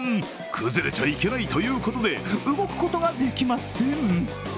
崩れちゃいけないということで、動くことができません。